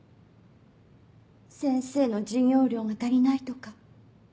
先生の授業料が足りないとか？